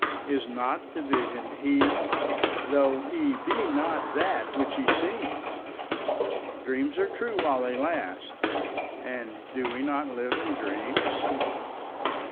Is not the Vision He? tho' He be not that which He seems? Dreams are true while they last, and do we not live in dreams?